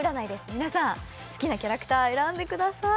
皆さん好きなキャラクター選んでください